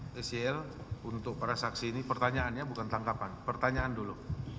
tcl untuk para saksi ini pertanyaannya bukan tangkapan pertanyaan dulu